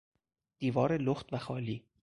دیوار لخت و خالی